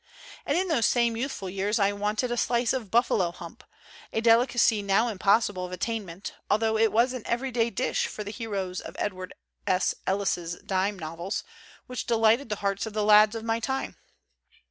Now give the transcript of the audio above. And in those same youthful years I wanted a slice of buffalo hump, a delicacy now impossible of attainment, altho it was an everyday dish for the heroes of Edward S. Ellis's dime novels, which delighted the hearts of the lads of my time.